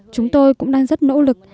chúng tôi cũng đang rất nỗ lực